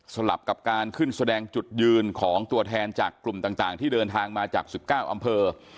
ลับกับการขึ้นแสดงจุดยืนของตัวแทนจากกลุ่มต่างที่เดินทางมาจาก๑๙อำเภอ